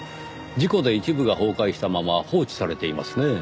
事故で一部が崩壊したまま放置されていますねぇ。